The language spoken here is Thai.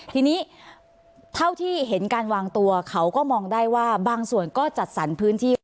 ทีนี้เท่าที่เห็นการวางตัวเขาก็มองได้ว่าบางส่วนก็จัดสรรพื้นที่